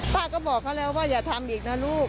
ป้าก็บอกเขาแล้วว่าอย่าทำอีกนะลูก